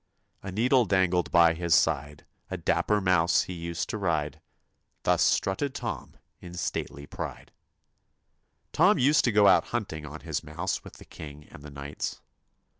A needle dangled by his side ; A dapper mouse he used to ride : Thus strutted Tom in stately pride 1 Tom used to go out hunting on his mouse with the king and the knights.